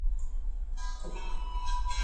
ژوندي پاته کیدل د هر ژوندي موجود هیله ده.